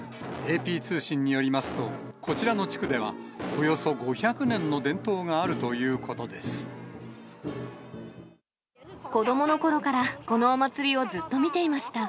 ＡＰ通信によりますと、こちらの地区では、およそ５００年の伝統子どものころからこのお祭りをずっと見ていました。